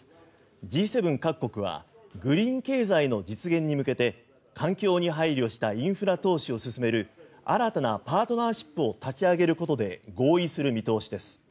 Ｇ７各国はグリーン経済の実現に向けて環境に配慮したインフラ投資を進める新たなパートナーシップを立ち上げることで合意する見通しです。